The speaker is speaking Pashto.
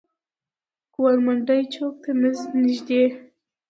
ګوالمنډۍ چوک ته نزدې.